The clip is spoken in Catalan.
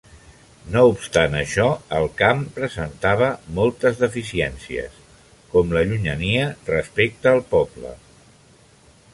No obstant això, el camp presentava moltes deficiències, com la llunyania respecte al poble.